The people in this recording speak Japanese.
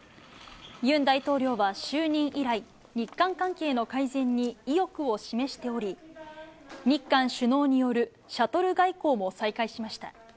ユン大統領は就任以来、日韓関係の改善に意欲を示しており、日韓首脳によるシャトル外交も再開しました。